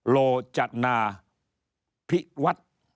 โลจนาพิวัฒน์